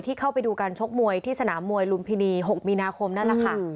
เข้าไปดูการชกมวยที่สนามมวยลุมพินี๖มีนาคมนั่นแหละค่ะ